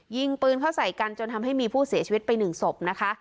ยิงปืนเข้าใส่กันจนทำให้มีผู้เสียชีวิตไปหนึ่งศพนะคะ